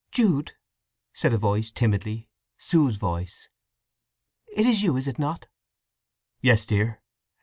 "Jude!" said a voice timidly—Sue's voice. "It is you—is it not?" "Yes, dear!"